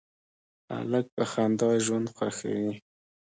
هلک په خندا ژوند خوښوي.